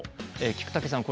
菊竹さん。